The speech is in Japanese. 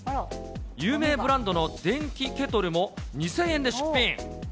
有名ブランドの電気ケトルも２０００円で出品。